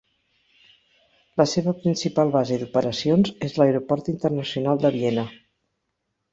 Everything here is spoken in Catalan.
La seva principal base d'operacions és l'Aeroport Internacional de Viena.